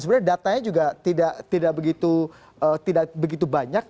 sebenarnya datanya juga tidak begitu banyak